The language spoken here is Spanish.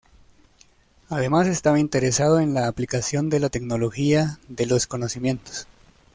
Además estaba interesado en la aplicación de la tecnología de los conocimientos.